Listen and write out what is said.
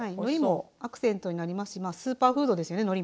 のりもアクセントになりますしスーパーフードですよね？